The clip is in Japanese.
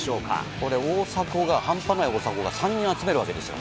これ大迫が、半端ない大迫が３人集めるわけですよ。